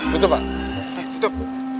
putup pak putup